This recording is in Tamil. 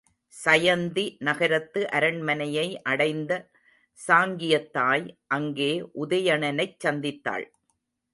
சயந்தி நகரத்து அரண்மனையை அடைந்த சாங்கியத் தாய் அங்கே உதயணனைச் சந்தித்தாள்.